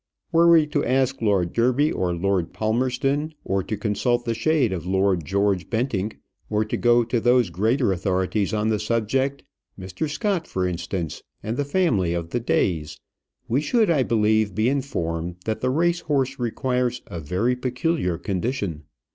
Were we to ask Lord Derby, or Lord Palmerston, or to consult the shade of Lord George Bentinck or to go to those greater authorities on the subject, Mr. Scott, for instance, and the family of the Days we should, I believe, be informed that the race horse requires a very peculiar condition.